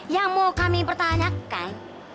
yang mau kami pertanyakan